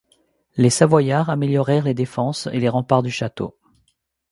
Les Savoyards améliorèrent les défenses et les remparts du château.